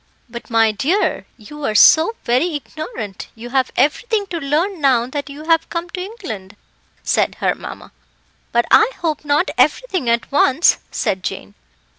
"But, my dear, you are so very ignorant, you have everything to learn now that you have come to England," said her mamma. "But I hope not everything at once," said Jane.